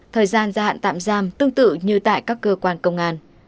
thời gian gia hạn tạm giam tương tự như tại các cơ quan công an